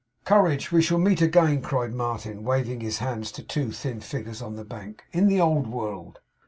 'Courage! We shall meet again!' cried Martin, waving his hand to two thin figures on the bank. 'In the Old World!